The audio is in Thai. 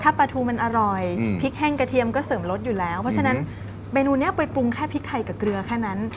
ถ้าปลาทูมันอร่อยพริกแห้งกระเทียมก็เสริมรสอยู่แล้วเพราะฉะนั้นเมนูนี้ไปปรุงแค่พริกไทยกับเกลือแค่นั้น